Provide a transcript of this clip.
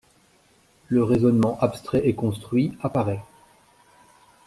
Le raisonnement abstrait et construit apparaît.